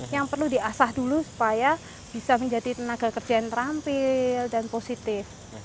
yang perlu diasah dulu supaya bisa menjadi tenaga kerja yang terampil dan positif